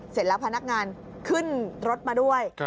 เสร็จแล้วพนักงานขึ้นรถมาด้วย